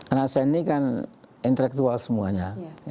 anak saya ini kan intelektual semuanya